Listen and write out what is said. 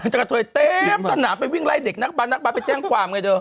จับกะเทยจุดไม่สนามไปวิ่งไล่เด็กนักบาดนักบาดไปเจ้งความไงเดิ้ว